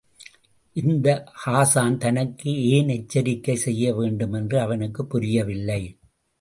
இந்த ஹாஸான் தனக்கு ஏன் எச்சரிக்கை செய்யவேண்டும் என்று அவனுக்குப் புரியவில்லை.